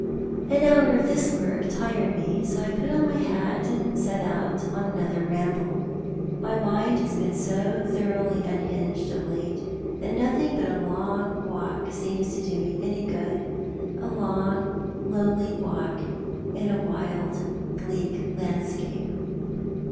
An hour of this work tired me, so I put on my hat and set out on another ramble. My mind has been so thoroughly unhinged of late that nothing but a long walk seems to do me any good — a long, lonely walk in a wild, bleak landscape.